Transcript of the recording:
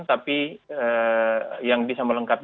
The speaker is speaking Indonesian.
tapi yang disambalengkakannya